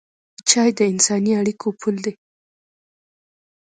چای د انساني اړیکو پل دی.